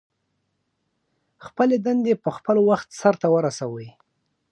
خپلې دندې په خپل وخت سرته ورسوئ.